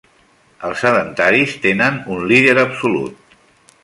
Els sedentaris tenen un líder absolut.